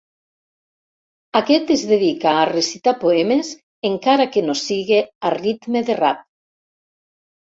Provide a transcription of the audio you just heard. Aquest es dedica a recitar poemes, encara que no sigui a ritme de rap.